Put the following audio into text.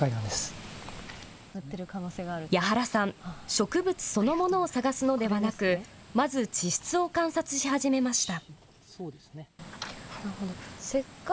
植物そのものを探すのではなく、まず地質を観察し始めました。